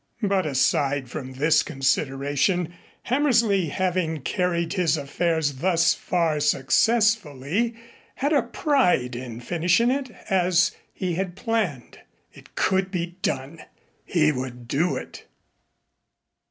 But aside from this consideration, Hammersley, having carried his affairs thus far successfully, had a pride in finishing it as he had planned. It could be done he would do it.